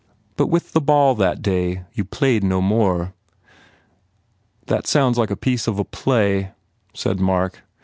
"But with the ball that day you played no more?" "That sounds like a piece of a play," said Mark.